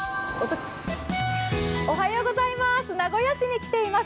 おはようございます。